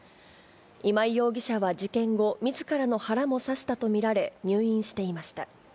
今井容疑者は事件後、みずからの腹も刺したと見られ、入院していました。